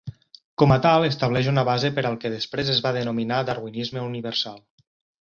Com a tal, estableix una base per al que després es va denominar darwinisme universal.